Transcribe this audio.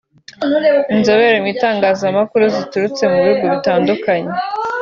inzobere mu itangazamakuru ziturutse mu bihugu bitandukanye